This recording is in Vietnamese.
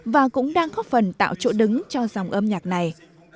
và cũng đang góp phần tạo chỗ đứng cho dòng âm nhạc này